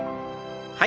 はい。